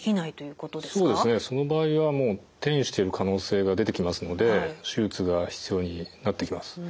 そうですねその場合はもう転移している可能性が出てきますので手術が必要になってきます。